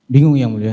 bingung ya mulia